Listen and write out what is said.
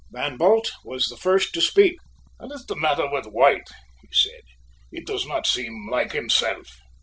Van Bult was the first to speak: "What is the matter with White?" he said; "he does not seem like himself."